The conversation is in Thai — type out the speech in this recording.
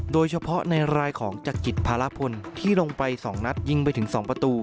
โดยเฉพาะในรายของจักริตภาระพลที่ลงไป๒นัดยิงไปถึง๒ประตู